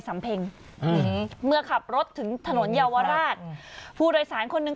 สำเพ็งอืมเมื่อขับรถถึงถนนเยาวราชอืมผู้โดยสารคนหนึ่ง